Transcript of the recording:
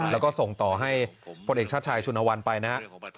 แล้วก็ส่งต่อให้พลเอกชาติชายชุนวันไปนะครับ